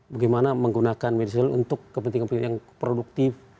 bagaimana menggunakan media sosial untuk kepentingan kepentingan yang produktif